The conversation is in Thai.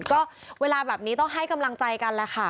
ก็เวลาแบบนี้ต้องให้กำลังใจกันแหละค่ะ